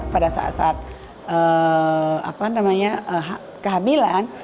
pada saat saat kehamilan